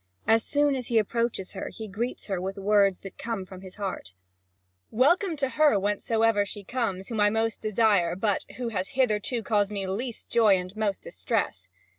As soon as he approaches her, he greets her with words that come from his heart: "Welcome to her, whence soever she comes, whom I most desire, but who has hitherto caused me least joy and most distress!"